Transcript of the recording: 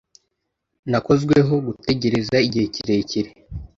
Nakozweho gutegereza igihe kirekire.